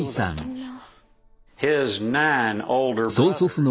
みんな。